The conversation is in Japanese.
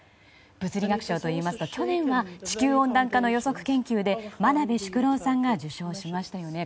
物理学賞というと去年は地球温暖化の予測研究で真鍋淑郎さんが受賞しましたよね。